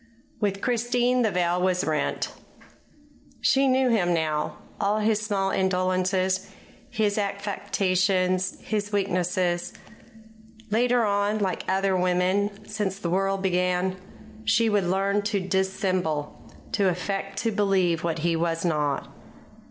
With Christine the veil was rent. She knew him now all his small indolences, his affectations, his weaknesses. Later on, like other women since the world began, she would learn to dissemble, to affect to believe him what he was not.